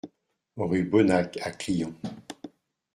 Rue Bonnac à Clion